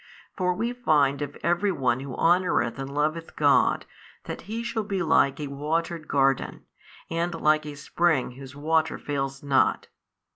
For we find of every one who honoureth and loveth God that he shall be like a watered garden, and like a spring whose water fails not.